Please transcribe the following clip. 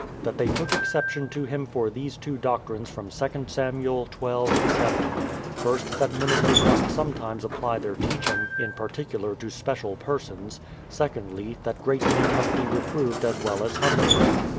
That they took exception to him for these two doctrines from II Sam. xii, 7. First, that ministers must sometimes apply their teaching in particular to special persons; secondly, that great men may be reproved as well as humble.